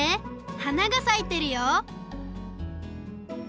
はながさいてるよ